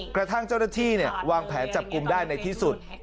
กระทั่งเจ้าหน้าที่วางแผนจับกลุ่มได้ในที่สุด